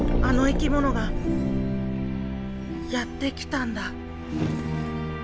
あの生き物がやって来たんだ。